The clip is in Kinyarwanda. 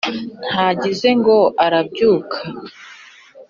ntagize ngo arabyuka,